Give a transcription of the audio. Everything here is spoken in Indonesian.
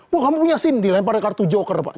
wah kamu punya sim dilempar di kartu joker pak